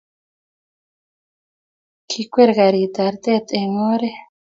kikwer karit arte eng' oret